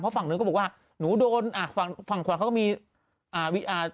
เพราะฝั่งนึงก็บอกว่าหนูดนฝั่งขวนเขาก็มี